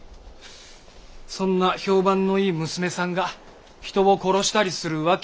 そんな評判のいい娘さんが人を殺したりする訳がない。